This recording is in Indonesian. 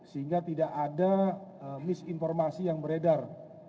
sehingga tidak ada misinformasi yang beredar